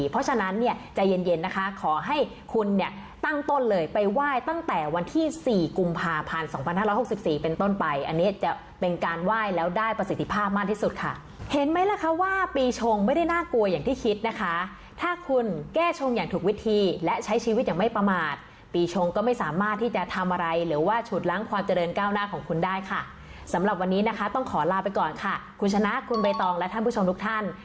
เป็นการไหว้แล้วได้ประสิทธิภาพมากที่สุดค่ะเห็นไหมล่ะคะว่าปีชงไม่ได้น่ากลัวอย่างที่คิดนะคะถ้าคุณแก้ชงอย่างถูกวิธีและใช้ชีวิตอย่างไม่ประมาทปีชงก็ไม่สามารถที่จะทำอะไรหรือว่าฉุดล้างความเจริญก้าวหน้าของคุณได้ค่ะสำหรับวันนี้นะคะต้องขอลาไปก่อนค่ะคุณชนะคุณใบตองและท่านผู้ชมทุก